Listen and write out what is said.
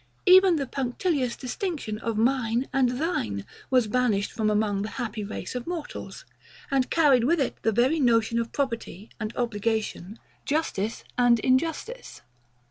Even the punctilious distinction of MINE and THINE was banished from among the happy race of mortals, and carried with it the very notion of property and obligation, justice and injustice.